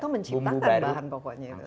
atau menciptakan bahan pokoknya